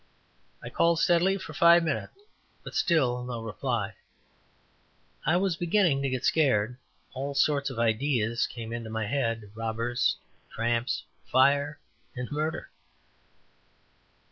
I called steadily for five minutes, but still no reply. I was beginning to get scared. All sorts of ideas came into my head robbers, tramps, fire and murder.